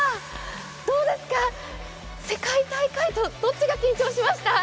どうですか、世界大会とどっちが緊張しました？